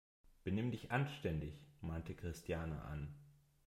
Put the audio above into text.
Benimm dich anständig!, mahnte Christiane an.